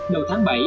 đầu tháng bảy